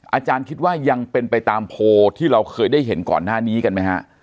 อาจารย์คิดว่ายังเป็นไปตามโพลที่เราเคยได้เห็นก่อนหน้านี้กันไหมฮะ